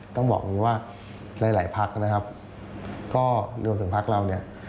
ต้องบอกว่าในหลายพักรวมถึงพักเรานี่